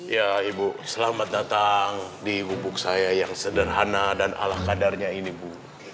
ya ibu selamat datang di gubuk saya yang sederhana dan alahkadarnya ini bu